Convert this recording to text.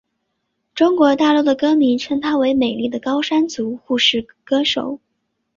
中国大陆的歌迷称她为美丽的高山族护士歌手。